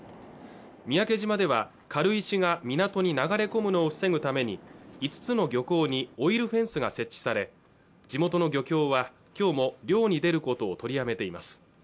三宅島では軽石が港に流れ込むのを防ぐために５つの漁港にオイルフェンスが設置され地元の漁協は今日も漁に出ることを取りやめています